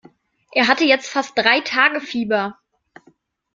Er hatte jetzt fast drei Tage Fieber.